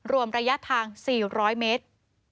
รวมระยะทาง๔๐๐เมตร